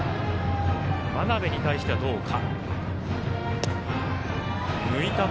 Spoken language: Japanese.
真鍋に対してはどうか。